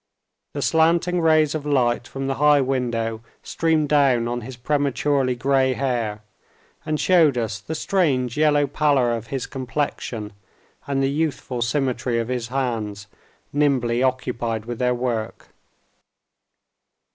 The slanting rays of light from the high window streamed down on his prematurely gray hair, and showed us the strange yellow pallor of his complexion, and the youthful symmetry of his hands, nimbly occupied with their work.